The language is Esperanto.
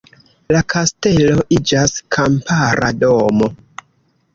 La kastelo iĝas kampara domo.